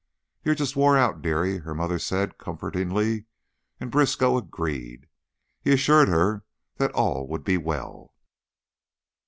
"You're just wore out, dearie," her mother said, comfortingly, and Briskow agreed. He assured her that all would be well.